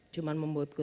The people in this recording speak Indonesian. cuman membuat gue